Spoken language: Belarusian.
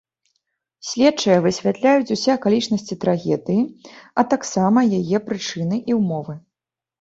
Следчыя высвятляюць усе акалічнасці трагедыі, а таксама яе прычыны і ўмовы.